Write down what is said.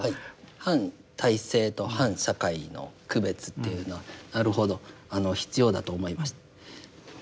反体制と反社会の区別っていうのはなるほど必要だと思います。